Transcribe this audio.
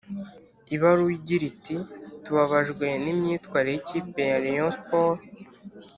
ibaruwa igira iti: "tubabajwe n’imyitwarire y’ikipe ya rayon sport